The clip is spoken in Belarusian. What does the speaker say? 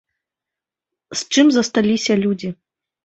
З чым засталіся людзі?